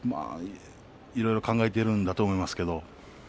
いろいろ考えているんだと思いますけれど。